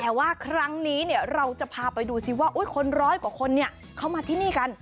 แต่ว่าครั้งนี้เราจะพาไปดูซิว่าคนร้อยกว่าคนเข้ามาที่นี่กัน